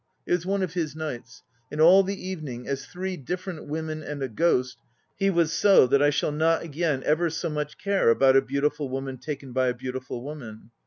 It was one of his nights, and all the evening, as three different women and a ghost, he was so that I shall not again ever so much care about a beautiful woman taken by a beautiful woman.